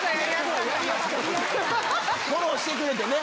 フォローしてくれてね。